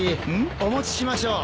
お持ちしましょう。